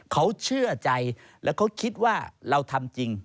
เขาเชื่อใจแล้วเขาคิดว่าเราทำจริง